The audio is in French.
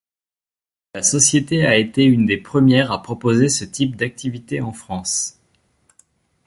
La société a été une des premières à proposer ce type d'activité en France.